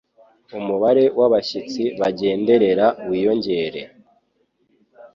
umubare w'abashyitsi bagenderera wiyongere